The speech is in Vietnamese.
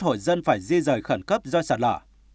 hai mươi một hộ dân phải di rời khẩn cấp do sạt lở